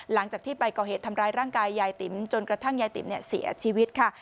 หลังจากที่ไปก่อเหตุทำร้ายร่างกายยายติ๋มจนกระทั่งยายติ๋มเสียชีวิตค่ะ